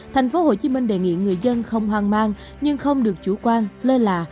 tp hcm đề nghị người dân không hoang mang nhưng không được chủ quan lơ là